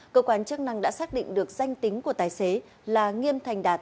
cơ quan chức năng đã xác định được danh tính của tài xế là nghiêm thành đạt